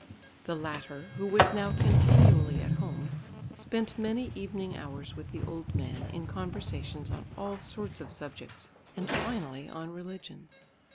The latter, who was now continually at home, spent many evening hours with the old man in conversations on all sorts of subjects, and finally on religion.